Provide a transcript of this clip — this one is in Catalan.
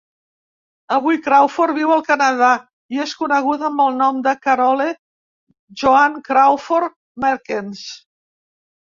Avui Crawford viu a Canadà, i es coneguda amb el nom de Carole Joan Crawford-Merkens.